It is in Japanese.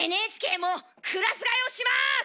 ＮＨＫもクラス替えをします！